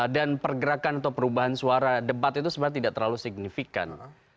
dan pergerakan atau perubahan suara debat itu sebenarnya tidak terlalu signifikan